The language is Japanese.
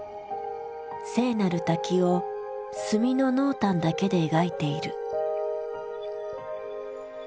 聖なる滝を墨の濃淡だけで描いている。